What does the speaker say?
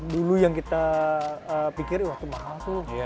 dulu yang kita pikir wah itu mahal tuh